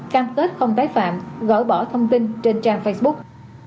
cam kết không tái phạm gỡ bỏ thông tin trên trang facebook